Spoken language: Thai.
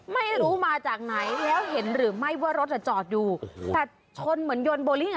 ไม่รู้มาจากไหนแล้วเห็นหรือไม่ว่ารถอ่ะจอดอยู่แต่ชนเหมือนยนโบลิ่งอ่ะ